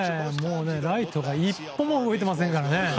ライトが一歩も動いていませんからね。